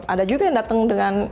ada juga yang datang dengan